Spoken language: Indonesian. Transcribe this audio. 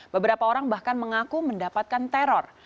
beberapa orang bahkan mengaku mendapatkan teror